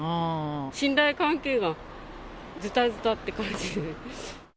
信頼関係がずたずたって感じで。